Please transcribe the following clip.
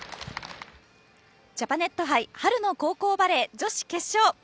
ジャパネット杯春の高校バレー女子決勝。